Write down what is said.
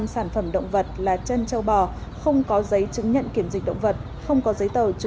sản phẩm động vật là chân châu bò không có giấy chứng nhận kiểm dịch động vật không có giấy tàu